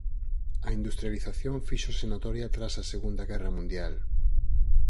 A industrialización fíxose notoria tras a Segunda Guerra Mundial.